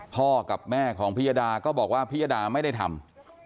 พ่อกับแม่ของพิยดาก็บอกว่าพิยดาไม่ได้ทำ